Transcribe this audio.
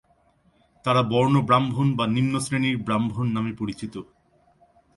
তারা বর্ণ ব্রাহ্মণ বা নিম্ন শ্রেণীর ব্রাহ্মণ নামে পরিচিত।